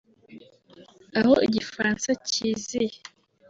Aho Igifaransa kiziye